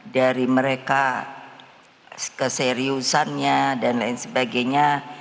dari mereka keseriusannya dan lain sebagainya